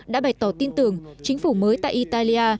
đã bày tỏ tin tưởng chính phủ mới tại italia